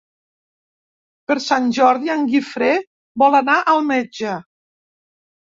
Per Sant Jordi en Guifré vol anar al metge.